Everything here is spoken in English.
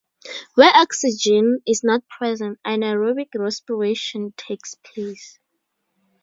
Where oxygen is not present anaerobic respiration takes place.